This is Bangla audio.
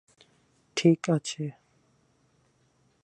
ঠিক আছে'।